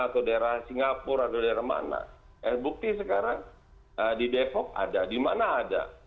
atau daerah singapura atau daerah mana bukti sekarang di depok ada di mana ada